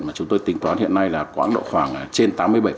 mà chúng tôi tính toán hiện nay là quãng độ khoảng trên tám mươi bảy